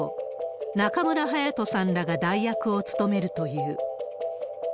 中村隼人さんらが代役を務めるという。